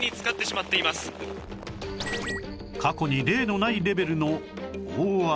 過去に例のないレベルの大雨